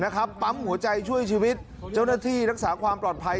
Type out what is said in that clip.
ปั๊มหัวใจช่วยชีวิตเจ้าหน้าที่รักษาความปลอดภัย